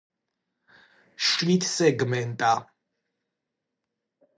შვიდსეგმენტა